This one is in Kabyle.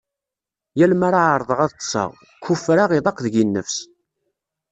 Yal mi ara ɛerḍeɣ ad ṭseɣ, kufreɣ iḍaq deg-i nnefs.